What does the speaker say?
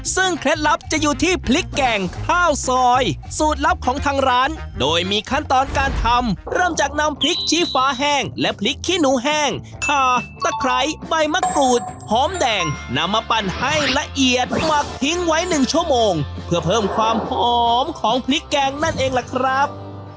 ซึ่งเคล็ดลับจะอยู่ที่พริกแกงข้าวซอยสูตรลับของทางร้านโดยมีขั้นตอนการทำเริ่มจากนำพริกชี้ฟ้าแห้งและพริกขี้หนูแห้งขาตะไคร้ใบมะกรูดหอมแดงนำมาปั่นให้ละเอียดหมักทิ้งไว้๑ชั่วโมงเพื่อเพิ่มความหอมของพริกแกงนั่นเองล่ะครับ